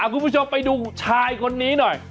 คุณผู้ชมไปดูชายคนนี้หน่อย